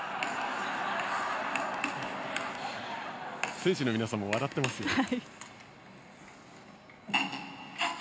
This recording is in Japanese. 選手の皆さんも笑っていますね。